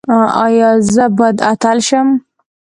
ایا زه باید اتل شم؟